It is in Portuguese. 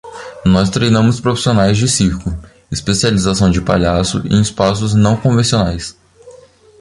Nós treinamos profissionais de circo: especialização de palhaço em espaços não convencionais.